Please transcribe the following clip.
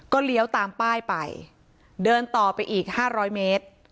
ก็เลี้ยวตามป้ายไปเดินต่อไปอีกห้าร้อยเมตร